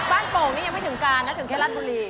บ้านโปรงนี่ยังไม่ถึงการแล้วถึงแค่รัฐบุรี